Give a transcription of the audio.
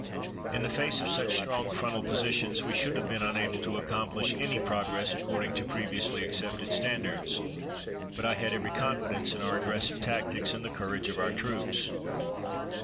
In the face of such strong frontal positions we should have been unable to accomplish any progress according to previously accepted standards, but I had every confidence in our aggressive tactics and the courage of our troops.